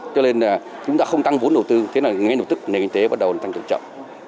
cho nên là chúng ta không tăng vốn đầu tư thế là ngay lập tức nền kinh tế bắt đầu tăng trưởng chậm